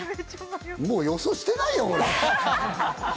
もう予想してないよ、これ。